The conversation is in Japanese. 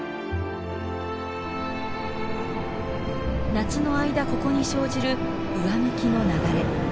夏の間ここに生じる上向きの流れ。